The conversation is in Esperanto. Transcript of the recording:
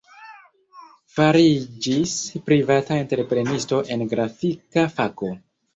Fariĝis privata entreprenisto en grafika fako.